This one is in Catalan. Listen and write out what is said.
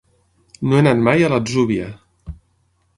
No he anat mai a l'Atzúbia.